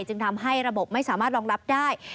จึงทำให้ระบบไม่สามารถรองรับได้